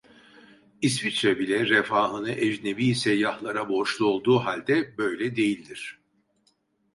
İsviçre bile, refahını ecnebi seyyahlara borçlu olduğu halde, böyle değildir.